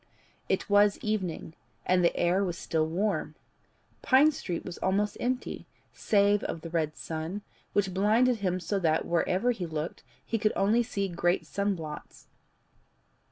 It was evening, and the air was still warm. Pine Street was almost empty, save of the red sun, which blinded him so that wherever he looked he could only see great sunblots.